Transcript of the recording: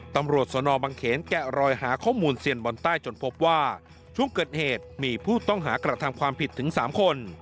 ตำรวจสนบังเขนแกะรอยหาข้อมูลเซียนบอลใต้จนพบว่าช่วงเกิดเหตุมีผู้ต้องหากระทำความผิดถึง๓คน